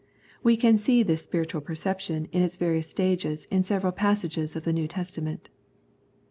We can see this spiritual perception in its various stages in several passages of the New Testament.